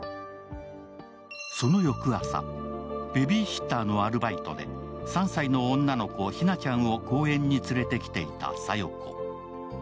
その翌朝、ベビーシッターのアルバイトで３歳の女の子、ひなちゃんを公園に連れてきていた小夜子。